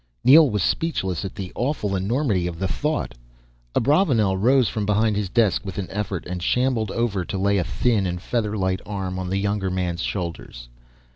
Neel was speechless at the awful enormity of the thought. Abravanel rose from behind his desk with an effort, and shambled over to lay a thin and feather light arm on the younger man's shoulders.